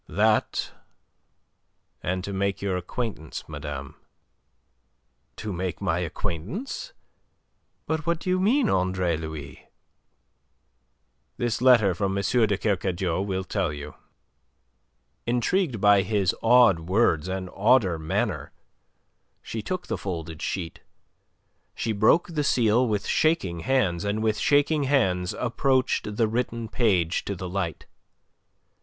"That, and to make your acquaintance, madame." "To make my acquaintance? But what do you mean, Andre Louis?" "This letter from M. de Kercadiou will tell you." Intrigued by his odd words and odder manner, she took the folded sheet. She broke the seal with shaking hands, and with shaking hands approached the written page to the light.